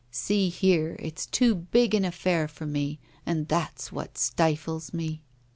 See here, it's too big an affair for me, and that's what stifles me.